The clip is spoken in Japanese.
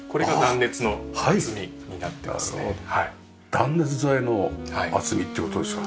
断熱材の厚みっていう事ですか？